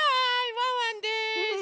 ワンワンです。